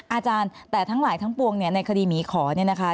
อาจารย์แต่ทั้งหลายทั้งปวงเนี่ยในคดีหมีขอเนี่ยนะคะ